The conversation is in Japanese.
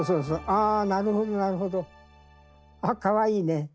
あなるほどなるほど。あっかわいいね。